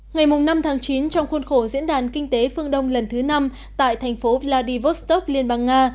ngày năm tháng chín trong khuôn khổ diễn đàn kinh tế phương đông lần thứ năm tại thành phố vladivostok liên bang nga